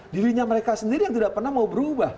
dirinya mereka sendiri yang tidak pernah mau berubah